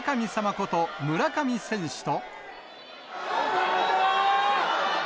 こと村上選手と。